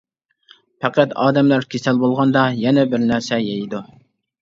پەقەت ئادەملەر كېسەل بولغاندا يەنە بىرنەرسە يەيدۇ.